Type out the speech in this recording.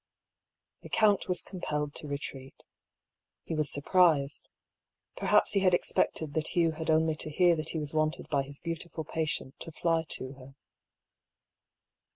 The count was compelled to retreat. He was sur prised. Perhaps he had expected that Hugh had only to hear that he was wanted by his beautiful patient to fly to her.